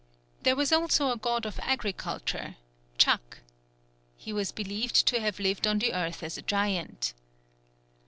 There was also a god of Agriculture, Chac. He was believed to have lived on the earth as a giant.